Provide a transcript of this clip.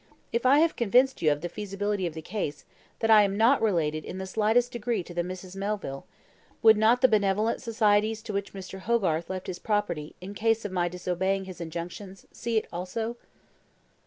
If I have convinced you of the feasibility of the case that I am not related in the slightest degree to the Misses Melville would not the benevolent societies to which Mr. Hogarth left his property, in case of my disobeying his injunctions, see it also?"